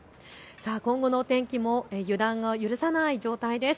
今後のお天気も予断を許さない状況です。